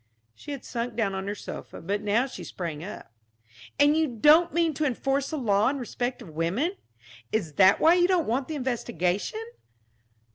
She had sunk down on her sofa, but now she sprang up. "And you don't mean to enforce the law in respect of women? Is that why you don't want the investigation?"